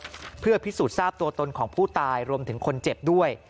เพื่อพิสูจน์ทราบตัวตนของผู้ตายรวมถึงคนเจ็บด้วย